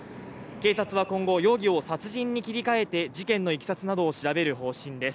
警察は今後、容疑を殺人に切り替えて事件のいきさつなどを調べる方針です。